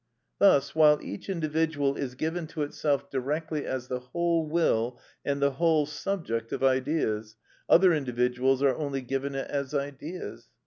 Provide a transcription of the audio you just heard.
Thus, while each individual is given to itself directly as the whole will and the whole subject of ideas, other individuals are only given it as ideas.